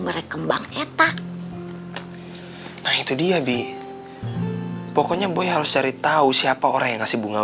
berkembang apa nah itu dia bi pokoknya boy harus cari tahu siapa orang yang ngasih bunga